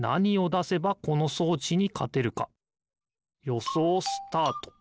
よそうスタート。